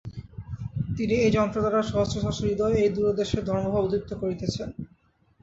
তিনি এই যন্ত্রদ্বারা সহস্র সহস্র হৃদয়ে এই দূরদেশে ধর্মভাব উদ্দীপিত করিতেছেন।